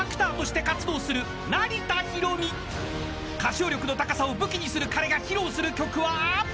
［歌唱力の高さを武器にする彼が披露する曲は］